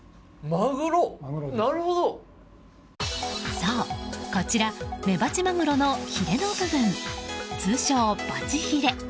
そう、こちらメバチマグロのヒレの部分通称バチヒレ。